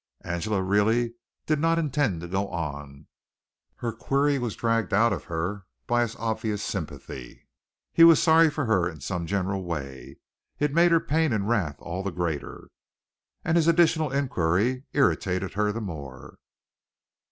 Angela really did not intend to go on. Her query was dragged out of her by his obvious sympathy. He was sorry for her in some general way. It made her pain and wrath all the greater. And his additional inquiry irritated her the more.